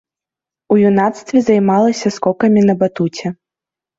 У юнацтве займалася скокамі на батуце.